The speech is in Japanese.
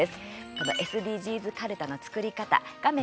このＳＤＧｓかるたの作り方画面